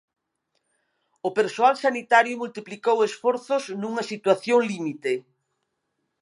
O persoal sanitario multiplicou esforzos nunha situación límite.